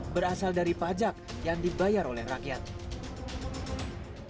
berasal dari pajak yang dibayar oleh rakyat